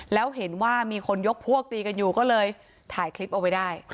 แล้วเห็นว่ามีคนยกพวกตีกันอยู่ก็เลยถ่ายคลิปเอาไว้ได้